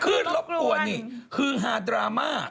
ขึ้นรอบตัวนี่คือฮาดราม่า